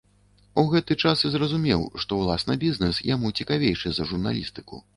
У гэты час і зразумеў, што ўласна бізнэс яму цікавейшы за журналістыку.